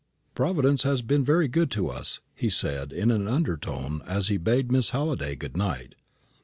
"Providence has been very good to us," he said, in an undertone, as he bade Miss Halliday good night.